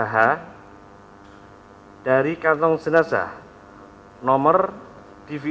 dan yang dikira sebagai penumpang yang berada di kingkat helikopter asu mediacha